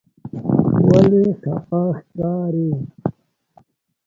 ولې خپه ښکارې؟